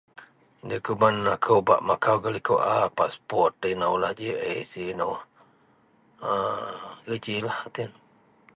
Dokumen kou mun bak makau gak likou a paspot inoulah ji ic inou a gejilah aten